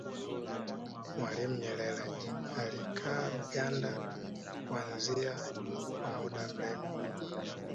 mwalimu nyerere alikaa uganda kuanzia kwa muda mrefu